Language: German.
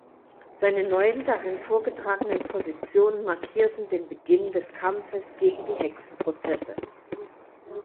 Seine neuen, darin vorgetragenen Positionen markierten den Beginn des Kampfes gegen die Hexenprozesse.